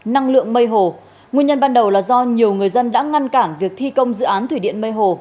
năng lượng mây hồ nguyên nhân ban đầu là do nhiều người dân đã ngăn cản việc thi công dự án thủy điện mây hồ